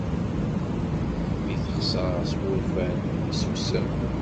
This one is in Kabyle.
Mi t-texzer s wurfan, isusem.